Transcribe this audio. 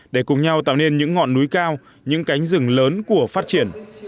để cùng nhau tạo nên những ngọn núi cao những cánh rừng lớn của phát triển